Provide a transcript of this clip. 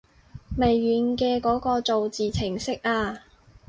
微軟嘅嗰個造字程式啊